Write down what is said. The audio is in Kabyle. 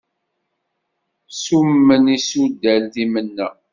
Summen isudal timenna.